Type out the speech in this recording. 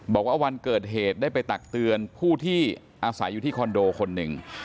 บอกว่าวันเกิดเหตุได้ไปตักเตือนผู้ที่อาศัยอยู่ที่คอนโดคนหนึ่ง